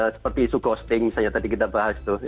seperti isu ghosting misalnya tadi kita bahas itu